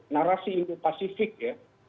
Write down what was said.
narasi indo pasifik ya